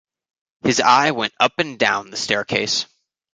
His eye went up and down the staircase.